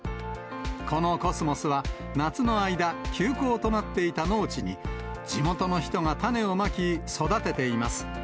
このコスモスは、夏の間、休耕となっていた農地に地元の人が種をまき、育てています。